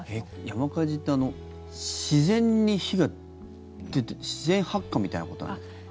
山火事って自然に火が出て自然発火みたいなことなんですか？